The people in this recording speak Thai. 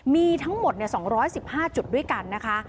มีทั้งหมดสองร้อยสิบห้าจุดด้วยกันนะคะ